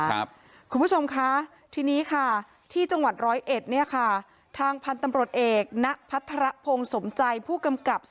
แล้วแบบนี้อย่างที่ท่านได้ยินก็แล้วกันนะครับ